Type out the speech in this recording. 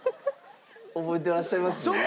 覚えてらっしゃいます？